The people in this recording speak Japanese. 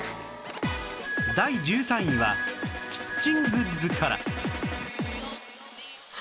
第１３位はキッチングッズから